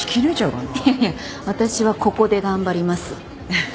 いやいや私はここで頑張ります。